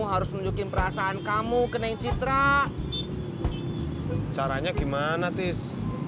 harus nunjukin perasaan kamu ke nencitra caranya gimana tis